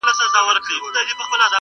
• زما د وطن د شهامت او طوفانونو کیسې..